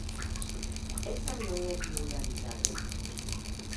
Esa non é pluralidade.